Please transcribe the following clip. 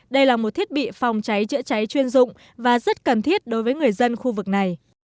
đây là một thiết bị phòng cháy chữa cháy chuyên dụng và rất cần thiết đối với người dân khu vực này